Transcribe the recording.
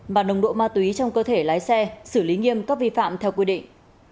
bản đồng độ ma túy trong cơ thể lái xe xử lý nghiêm cấp vi phạm theo quy định